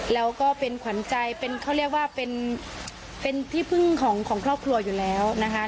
แล้วก็เป็นขวัญใจเป็นเขาเรียกว่าเป็นที่พึ่งของครอบครัวอยู่แล้วนะคะ